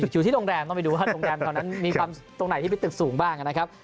อยู่ที่โรงแรมต้องไปดูว่าโรงแรมแถวนั้นมีความตรงไหนที่เป็นตึกสูงบ้างนะครับ